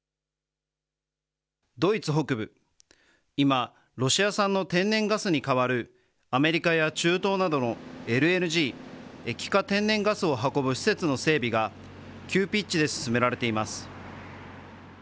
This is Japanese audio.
ドイツ北部、今、ロシア産の天然ガスに代わるアメリカや中東などのＬＮＧ・液化天然ガスを運ぶ施設の整備が急ピッチで進められています。